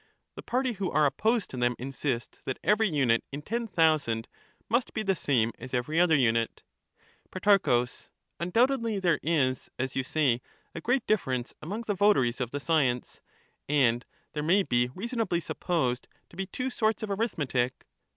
The party who are opposed to them insist that every unit in ten thousand must be the same as every other unit. Pro, Undoubtedly there is, as you say, a great difference among the votaries of the science ; and there may be reason ably supposed to be two sorts of arithmetic.